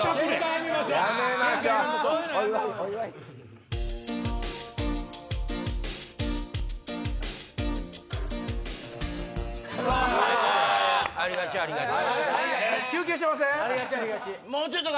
ありがちありがち。